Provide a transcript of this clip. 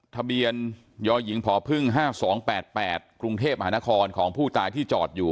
ทะเบียนยหญิงพพ๕๒๘๘กรุงเทพมหานครของผู้ตายที่จอดอยู่